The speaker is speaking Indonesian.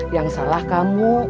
yang salah kamu